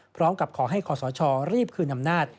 พร้อมกับขอให้ขอสชรีบคืนอำนาจ